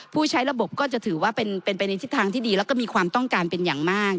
ผู้ใช้ระบบก็จะถือว่าเป็นไปในทิศทางที่ดีแล้วก็มีความต้องการเป็นอย่างมาก